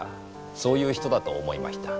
そういう人だと思いました。